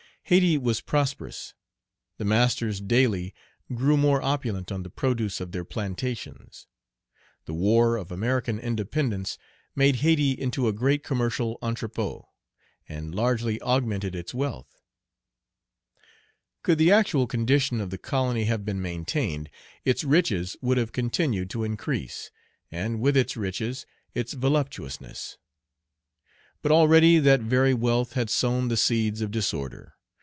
Hayti was prosperous. The masters daily grew more opulent on the produce of their plantations. The war of American independence made Hayti into a great commercial entrepôt, and largely augmented its wealth. Could the actual condition of the colony have been maintained, its riches would have continued to increase, and, with its riches, its voluptuousness. But already that very wealth had sown the seeds of disorder.